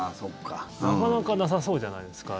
なかなかなさそうじゃないですか？